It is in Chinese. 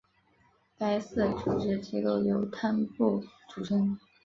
该寺组织机构由堪布组成。